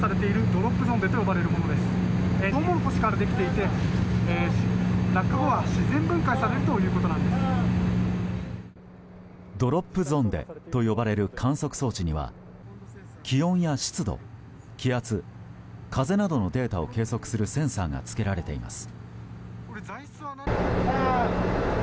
ドロップゾンデと呼ばれる観測装置には気温や湿度、気圧風などのデータを計測するセンサーがつけられています。